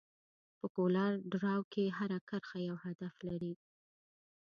په کولر ډراو کې هره کرښه یو هدف لري.